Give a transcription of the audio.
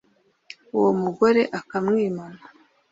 uwo mugore akamwimana